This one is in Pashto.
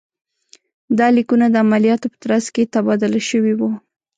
دا لیکونه د عملیاتو په ترڅ کې تبادله شوي وو.